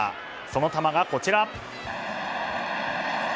その球がこちら。